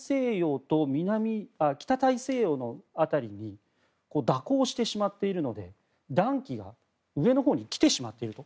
北大西洋の辺りに蛇行してしまっているので暖気が上のほうに来てしまっていると。